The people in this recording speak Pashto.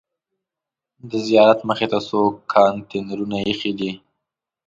د زیارت مخې ته څو کانتینرونه ایښي دي.